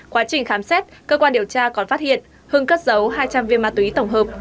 quá trình khám xét cơ quan điều tra còn phát hiện hưng cất giấu hai trăm linh viên ma túy tổng hợp